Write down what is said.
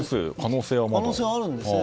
可能性はあるんですね。